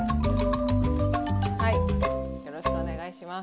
よろしくお願いします。